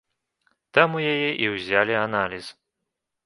Там у яе і ўзялі аналіз.